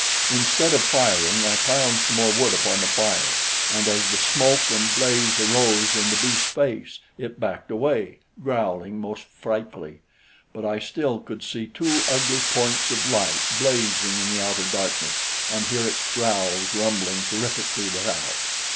Instead of firing, I piled some more wood upon the fire, and as the smoke and blaze arose in the beast's face, it backed away, growling most frightfully; but I still could see two ugly points of light blazing in the outer darkness and hear its growls rumbling terrifically without.